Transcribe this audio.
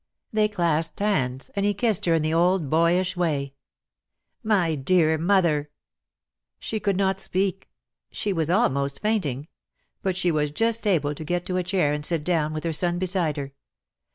They clasped hands, and he kissed her in the old boyish way. "My dear mother!" She could not speak. She was almost fainting; but she was just able to get to a chair and sit dovra, with her son beside her.